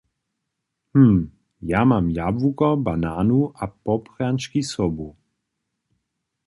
Hm, ja mam jabłuko, bananu a poprjančki sobu.